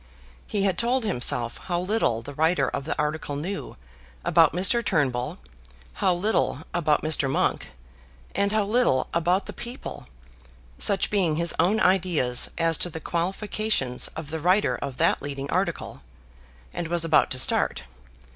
He had told himself how little the writer of the article knew about Mr. Turnbull, how little about Mr. Monk, and how little about the people, such being his own ideas as to the qualifications of the writer of that leading article, and was about to start.